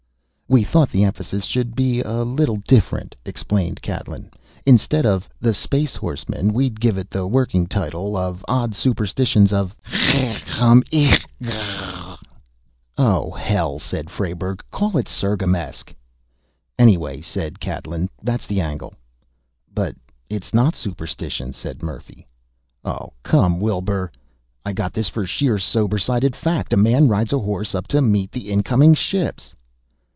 "We thought the emphasis should be a little different," explained Catlin. "Instead of 'The Space Horseman,' we'd give it the working title, 'Odd Superstitions of Hrrghameshgrrh'." "Oh, hell!" said Frayberg. "Call it Sirgamesk." "Anyway," said Catlin, "that's the angle." "But it's not superstition," said Murphy. "Oh, come, Wilbur ..." "I got this for sheer sober sided fact. A man rides a horse up to meet the incoming ships!"